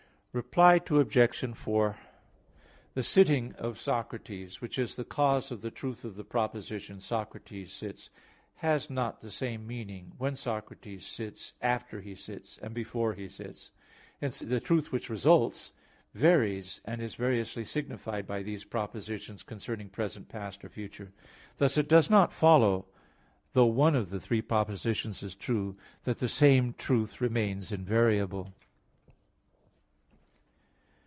Reply Obj. 4: The sitting of Socrates, which is the cause of the truth of the proposition, "Socrates sits," has not the same meaning when Socrates sits, after he sits, and before he sits. Hence the truth which results, varies, and is variously signified by these propositions concerning present, past, or future. Thus it does not follow, though one of the three propositions is true, that the same truth remains invariable.